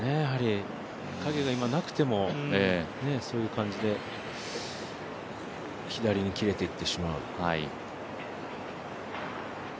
陰が今、なくてもそういう感じで左に切れていってしまう。